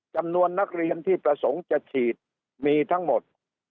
จำนวนนักเรียนที่ประสงค์จะฉีดมีทั้งหมด